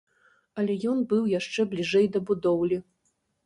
Але ён быў яшчэ бліжэй да будоўлі.